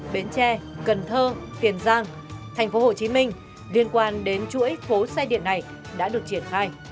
bến tre cần thơ tiền giang tp hcm liên quan đến chuỗi phố xe điện này đã được triển khai